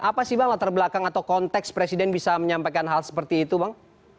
apa sih bang latar belakang atau konteks presiden bisa menyampaikan hal seperti itu bang